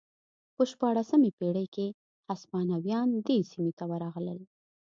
په شپاړسمې پېړۍ کې هسپانویان دې سیمې ته ورغلل.